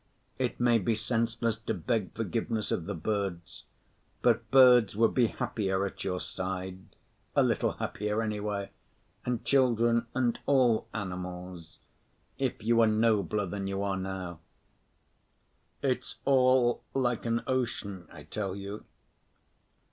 It may be senseless to beg forgiveness of the birds, but birds would be happier at your side—a little happier, anyway—and children and all animals, if you were nobler than you are now. It's all like an ocean, I tell you.